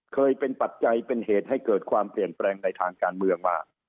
เคยเป็นปัจจัยเป็นเหตุให้เกิดความเปลี่ยนแปลงในทางการเมืองมา